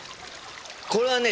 これはね